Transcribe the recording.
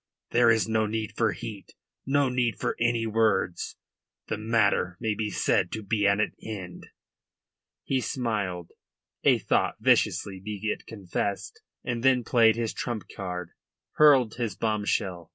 there is no need for heat, no need for any words. The matter may be said to be at an end." He smiled a thought viciously, be it confessed and then played his trump card, hurled his bombshell.